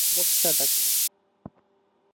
সমস্যাটা কী?